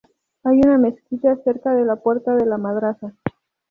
Hay una mezquita cerca de la puerta de la madraza.